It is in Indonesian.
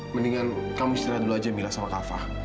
mendingan kamu istirahat dulu aja mila sama kak fadil